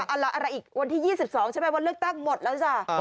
เอาละอะไรอีกวันที่๒๒ใช่ไหมวันเลือกตั้งหมดแล้วจ้ะ